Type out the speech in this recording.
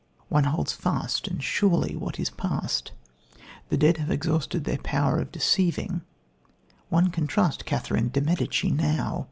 One holds fast and surely what is past. The dead have exhausted their power of deceiving one can trust Catherine of Medicis now.